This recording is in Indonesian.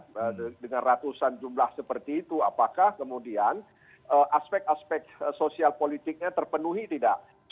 dengan ratusan jumlah seperti itu apakah kemudian aspek aspek sosial politiknya terpenuhi tidak